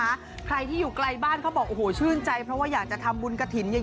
ขั้นคราใครที่อยู่ใกล้บ้านเขาบอก๑๙๙๒ชื่นใจเพราะว่าอยากจะทำบุญกระถิ่น